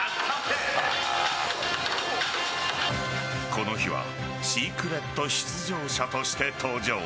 この日シークレット出場者として登場。